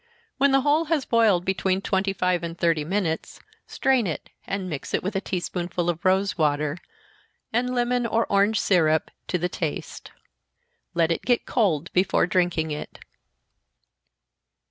When the whole has boiled between twenty five and thirty minutes, strain it, and mix it with a tea spoonful of rosewater, and lemon or orange syrup to the taste. Let it get cold before drinking it.